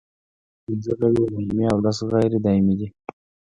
پنځه غړي یې دایمي او لس غیر دایمي دي.